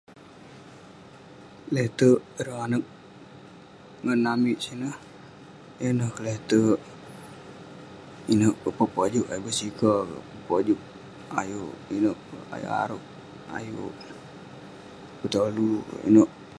Letek ireh anak ngan amik sineh, yan ne keletek pepejok ayuk basika. Pepojek ayuk ineh kek, ayuk arouk kek. Ayuk betolu kek. Ineh.